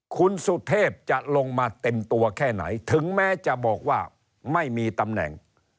คุณสุเทพจะลงมาเต็มตัวแค่ไหนถึงแม้จะบอกว่าไม่มีตำแหน่ง